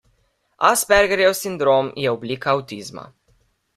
Aspergerjev sindrom je oblika avtizma.